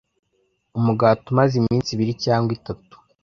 Umugati umaze iminsi ibiri cyangwa itatu